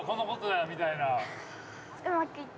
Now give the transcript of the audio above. うまくいった。